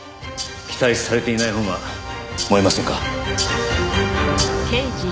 期待されていないほうが燃えませんか？